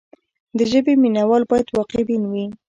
د ژبې مینه وال باید واقع بین وي.